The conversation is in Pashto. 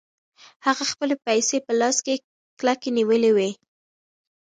هغه خپلې پيسې په لاس کې کلکې نيولې وې.